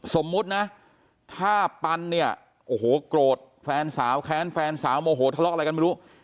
สมมุตินะถ้าปันเนี่ยโอ้โหโกรธแฟนสาวแค้นแฟนสาวโมโหทะเลาะอะไรกันไม่รู้